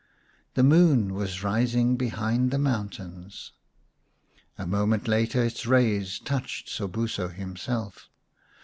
The moon was rising behind the mountains. A moment later its rays touched Sobuso himself.